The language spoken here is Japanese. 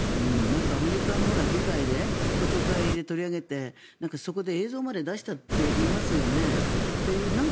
アメリカの議会で公聴会で取り上げてそこで映像まで出したって言いますよね。